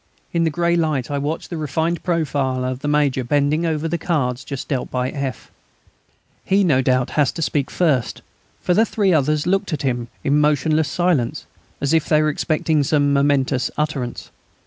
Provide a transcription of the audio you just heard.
In the grey light I watched the refined profile of the Major bending over the cards just dealt by F. He no doubt has to speak first, for the three others looked at him, in motionless silence, as if they were expecting some momentous utterance.